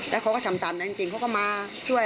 แล้วเขาก็ทำตามนั้นจริงเขาก็มาช่วย